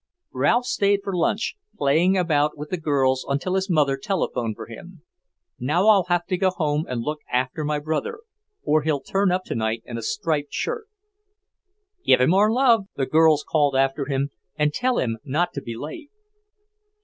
Ralph stayed for lunch, playing about with the girls until his mother telephoned for him. "Now I'll have to go home and look after my brother, or he'll turn up tonight in a striped shirt." "Give him our love," the girls called after him, "and tell him not to be late."